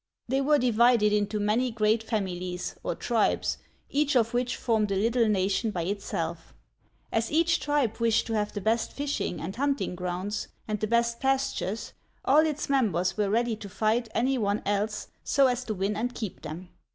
' They were divided into many great fami lies, or tribes, each of which formed a little nation by it self. As each tribe wished to have the best fishing and hunting grounds, and the best pastures, all its members were ready to fight any one else so as to win and keep them.